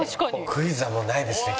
クイズはもうないですね